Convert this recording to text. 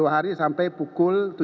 dua hari sampai pukul